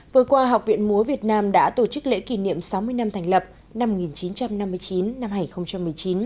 vừa qua học viện múa việt nam đã tổ chức lễ kỷ niệm sáu mươi năm thành lập năm một nghìn chín trăm năm mươi chín hai nghìn một mươi chín